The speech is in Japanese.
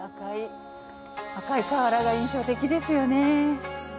赤い瓦が印象的ですよね。